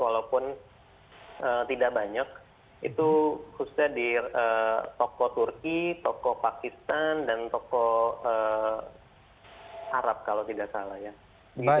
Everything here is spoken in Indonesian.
walaupun tidak banyak itu khususnya di toko turki toko pakistan dan toko arab kalau tidak salah ya